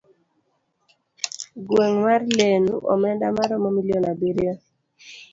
gweng' mar Lenu, omenda maromo milion abiriyo.